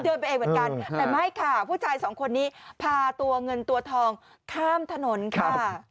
เดินไปเองเหมือนกันแต่ไม่ค่ะผู้ชายสองคนนี้พาตัวเงินตัวทองข้ามถนนค่ะ